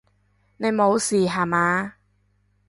你無事吓嘛！